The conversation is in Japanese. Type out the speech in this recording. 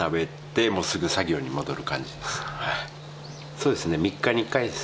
そうですね。